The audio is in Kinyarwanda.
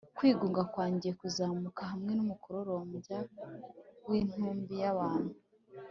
kwigunga kwanjye kuzamuka hamwe n'umukororombya w'intumbi y'abantu